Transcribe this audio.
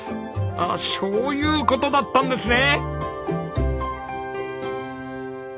あっしょうゆう事だったんですね！